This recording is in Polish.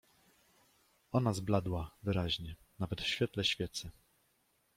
Ona zbladła, wyraźnie, nawet w świetle świecy.